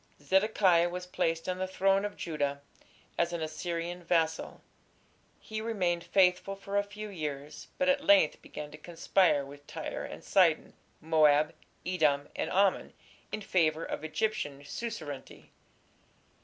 Zedekiah was placed on the throne of Judah as an Assyrian vassal. He remained faithful for a few years, but at length began to conspire with Tyre and Sidon, Moab, Edom, and Ammon in favour of Egyptian suzerainty.